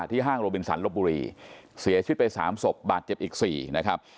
ห้างโรบินสันลบบุรีเสียชีวิตไป๓ศพบาดเจ็บอีก๔นะครับ